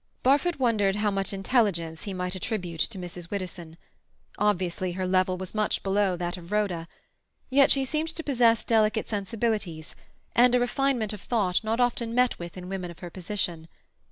Barfoot wondered how much intelligence he might attribute to Mrs. Widdowson. Obviously her level was much below that of Rhoda. Yet she seemed to possess delicate sensibilities, and a refinement of thought not often met with in women of her position.